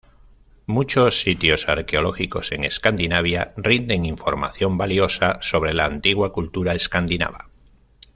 Muchos sitios arqueológicos en Escandinavia rinden información valiosa sobre la antigua cultura escandinava.